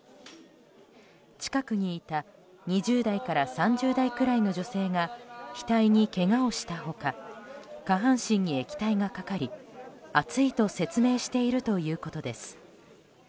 近くにいた２０代から３０代くらいの女性が額にけがをした他下半身に液体がかかり熱いと説明しているということです。